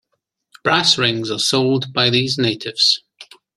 Brass rings are sold by these natives.